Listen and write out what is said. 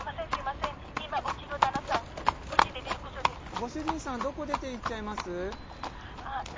ご主人さんどこ出ていっちゃいます？